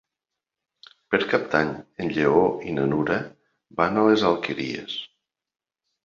Per Cap d'Any en Lleó i na Nura van a les Alqueries.